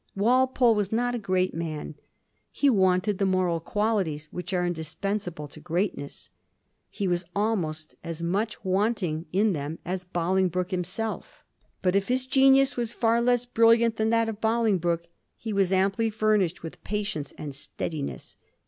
Walpole was not a great man. He wanted the moral qualities which are indispensable to greatness. He was almost as much wanting in them as Bolingbroke himself. But, if his genius was far less brilliant than that of Bolingbroke, he was amply furnished with patience and steadiness.